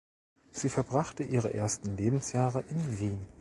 Sie verbrachte ihre ersten Lebensjahre in Wien.